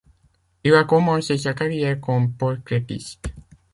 Il a commencé sa carrière comme portraitiste.